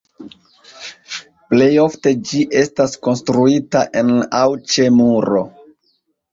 Plej ofte ĝi estas konstruita en aŭ ĉe muro.